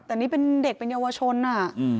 แต่นี่เป็นเด็กเป็นเยาวชนอ่ะ